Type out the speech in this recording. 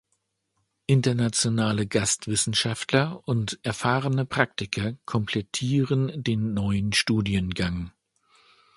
Internationale Gastwissenschaftler und erfahrene Praktiker komplettieren den neuen Studiengang.